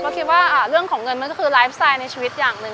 ก็คิดว่าเรื่องของเงินมันก็คือไลฟ์สไตล์ในชีวิตอย่างหนึ่ง